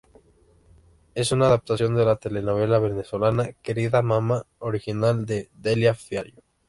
Es una adaptación de la telenovela venezolana "Querida mamá", original de Delia Fiallo.